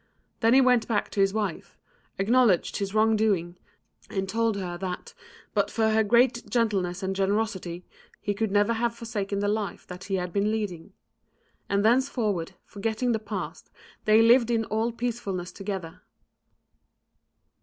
Then he went back to his wife, acknowledged his wrongdoing, and told her that, but for her great gentleness and generosity, he could never have forsaken the life that he had been leading. And thenceforward, forgetting the past, they lived in all peacefulness together.